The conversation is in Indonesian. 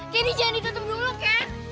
kendi jangan ditutup dulu ken